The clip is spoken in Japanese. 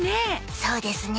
そうですね。